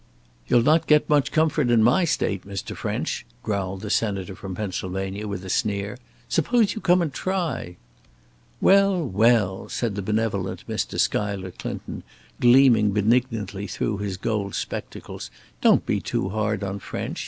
"You'll not get much comfort in my State, Mr. French," growled the senator from Pennsylvania, with a sneer; "suppose you come and try." "Well, well!" said the benevolent Mr. Schuyler Clinton, gleaming benignantly through his gold spectacles; "don't be too hard on French.